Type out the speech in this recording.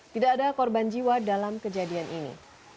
tidak ada korban jiwa dalam kejadian ini